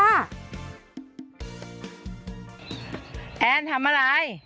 แอนทำอะไร